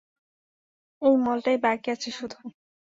এই মলটাই বাকি আছে শুধু।